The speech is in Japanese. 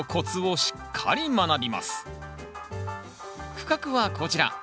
区画はこちら。